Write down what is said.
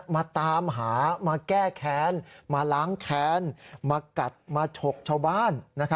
มาตามหามาแก้แค้นมาล้างแค้นมากัดมาฉกชาวบ้าน